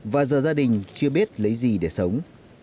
và giờ gia đình chưa biết lấy gì để sống